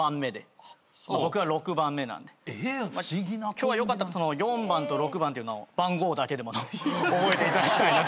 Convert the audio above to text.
今日はよかったら４番と６番っていうのを番号だけでも覚えていただきたいなと。